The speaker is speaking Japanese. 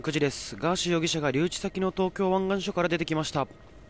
ガーシー容疑者が留置先の東京湾岸署から出てきました。